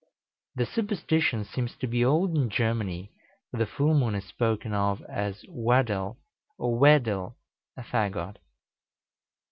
The superstition seems to be old in Germany, for the full moon is spoken of as wadel, or wedel, a fagot.